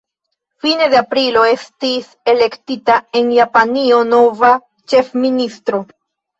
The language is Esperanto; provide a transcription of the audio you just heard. Fine de aprilo estis elektita en Japanio nova ĉefministro.